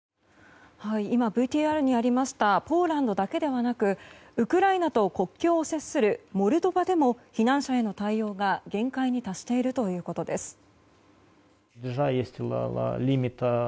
今、ＶＴＲにありましたポーランドだけではなくウクライナと国境を接するモルドバでも避難者への対応が限界に達しているということです。